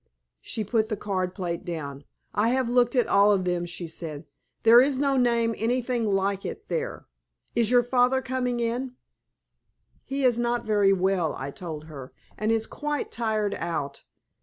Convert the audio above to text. She put the card plate down. "I have looked at all of them," she said. "There is no name anything like it there. Is your father coming in?" "He is not very well," I told her, "and is quite tired out.